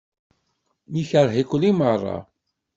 Nekṛeh-iken i meṛṛa.